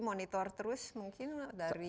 monitor terus mungkin dari